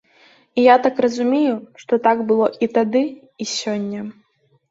І я так разумею, што так было і тады, і сёння.